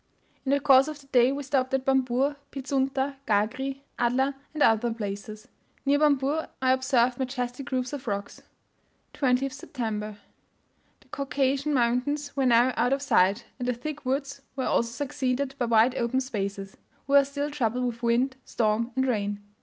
In the course of the day we stopped at Bambur, Pizunta, Gagri, Adlar, and other places. Near Bambur I observed majestic groups of rocks. 20th September. The Caucasian mountains were now out of sight, and the thick woods were also succeeded by wide open spaces. We were still troubled with wind, storm, and rain.